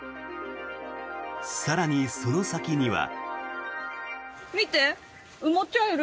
更に、その先には。